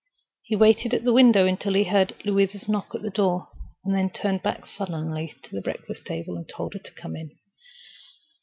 He waited at the window until he heard Louisa's knock at the door, then turned back sullenly to the breakfast table and told her to come in.